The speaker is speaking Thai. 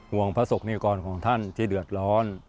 พระศกนิกรของท่านที่เดือดร้อน